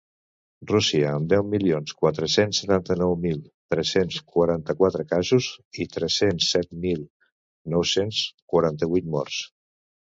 Rússia, amb deu milions quatre-cents setanta-nou mil tres-cents quaranta-quatre casos i tres-cents set mil nou-cents quaranta-vuit morts.